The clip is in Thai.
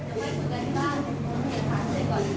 มันมีความผิดอะไร